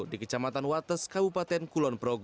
di kecamatan wates kabupaten kulonprogo